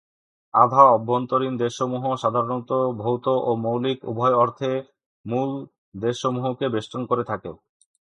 আধা-অভ্যন্তরীণ দেশসমূহ সাধারণত ভৌত ও মৌলিক উভয় অর্থে মূল দেশসমূহকে বেষ্টন করে থাকে।